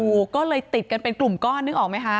โอ้โหก็เลยติดกันเป็นกลุ่มก้อนนึกออกไหมคะ